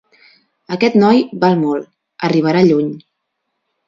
Aquest noi val molt: arribarà lluny.